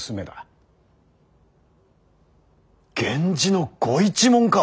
源氏のご一門か！